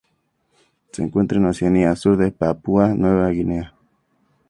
Se encuentra en Oceanía: sur de Papúa Nueva Guinea.